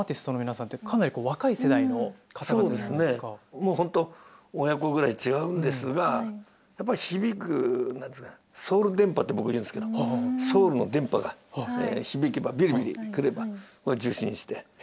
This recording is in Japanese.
もう本当親子ぐらい違うんですがやっぱり響くソウル電波って僕言うんですけどソウルの電波が響けばビリビリ来れば受信して。